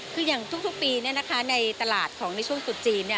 คืออย่างทุกปีในตลาดของในช่วงตรุษจีน